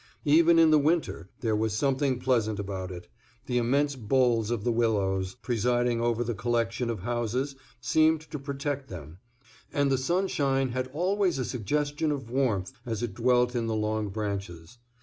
Even in the winter there was something pleasant about it; the immense boles of the willows, presiding over the collection of houses, seemed to protect them, and the sunshine had always a suggestion of warmth as it dwelt in the long branches.